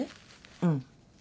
うん。